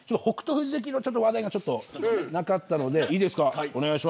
富士関の話題がなかったので。